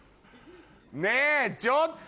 ねぇちょっと！